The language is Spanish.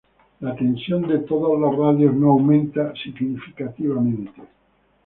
La tensión de todos los radios no aumenta significativamente.